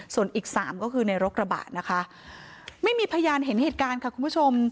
ส่วนอีกสามก็คือในรถกระบะนะคะไม่มีพยานเห็นเหตุการณ์ค่ะคุณผู้ชม